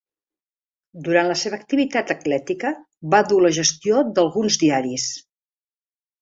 Durant la seva activitat atlètica va dur la gestió d'alguns diaris.